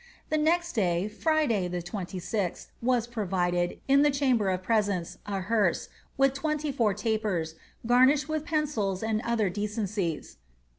The next day, Friday, 26th, was provided, in the chamber of presence, a hearse, with twenty four tapers, garnished with pensils and other decencies.